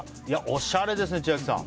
おしゃれですね、千秋さん。